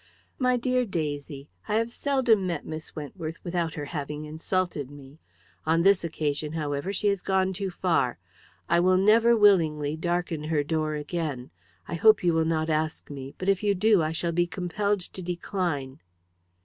"My dear Daisy, I have seldom met Miss Wentworth without her having insulted me. On this occasion, however, she has gone too far. I will never, willingly, darken her door again. I hope you will not ask me; but if you do I shall be compelled to decline."